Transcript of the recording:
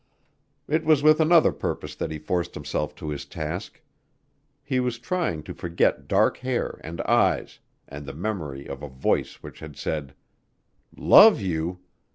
It was with another purpose that he forced himself to his task. He was trying to forget dark hair and eyes and the memory of a voice which had said, "Love you!